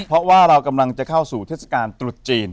เพราะว่าเรากำลังจะเข้าสู่เทศกาลตรุษจีน